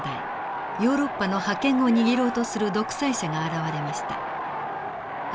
ヨーロッパの覇権を握ろうとする独裁者が現れました。